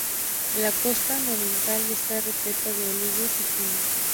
La costa nororiental está repleta de olivos y pinos.